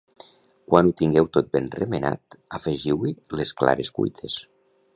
Quan ho tingueu tot ben remenat, afegiu-hi les clares cuites.